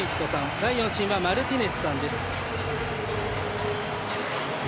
第４審は、マルティネスさんです。